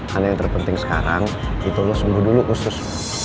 karena yang terpenting sekarang itu lo sembuh dulu khusus